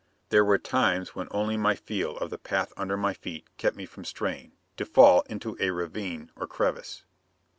There were times when only my feel of the path under my feet kept me from straying, to fall into a ravine or crevice.